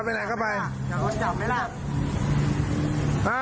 รู้จักไหมล่ะ